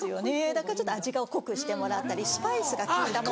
だからちょっと味を濃くしてもらったりスパイスが効いたもの。